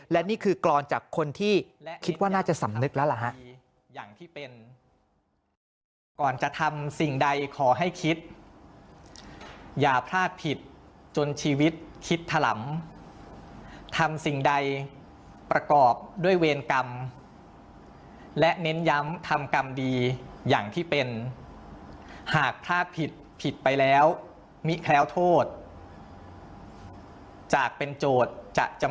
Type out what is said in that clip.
และนี่คือกรอนจากคนที่คิดว่าน่าจะสำนึกแล้วล่ะฮะ